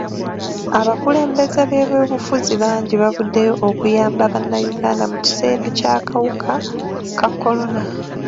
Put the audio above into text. Abakulembeze b'ebyobufuzi bangi bavuddeyo okuyamba bannayuganda mu kiseera ky'akawuka ka kolona.